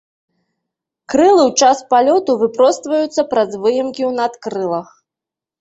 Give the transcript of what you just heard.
Крылы ў час палёту выпростваюцца праз выемкі ў надкрылах.